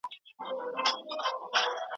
د پټو اختلافاتو اثبات سخت وي.